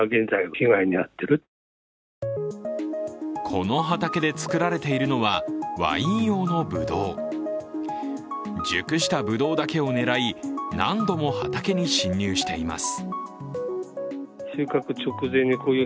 この畑で作られているのはワイン用のぶどう熟したぶどうだけを狙い、何度も畑に侵入しています。